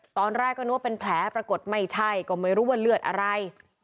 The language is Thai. ตอนแรกก็นึกว่าเป็นแผลปรากฏไม่ใช่ก็ไม่รู้ว่าเลือดอะไร